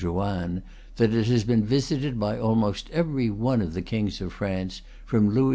Joanne that it has been visited by almost every one of the kings of France, from Louis XI.